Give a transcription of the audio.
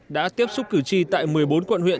đã tiếp xúc cử tri tại một mươi bốn quận huyện